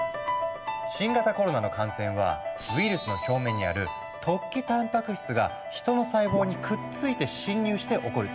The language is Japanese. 新型コロナの感染はウイルスの表面にある突起たんぱく質が人の細胞にくっついて侵入して起こる。